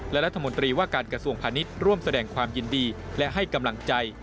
และรัฐมนตรีว่าการกระทรวงพาณิชย์ร่วมแสดงความยินดีและให้กำลังใจ